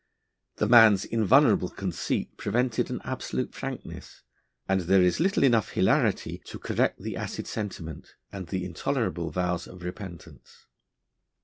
The man's invulnerable conceit prevented an absolute frankness, and there is little enough hilarity to correct the acid sentiment and the intolerable vows of repentance.